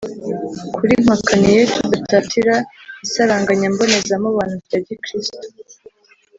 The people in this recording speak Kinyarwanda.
kuri mpakaniye kudatatira isaranganya mbonezamubano rya gikirisitu